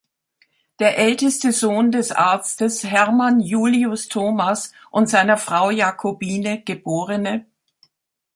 Der älteste Sohn des Arztes Hermann Julius Thomas und seiner Frau Jacobine geb.